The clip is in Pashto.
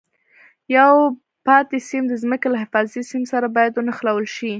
یو پاتې سیم د ځمکې له حفاظتي سیم سره باید ونښلول شي.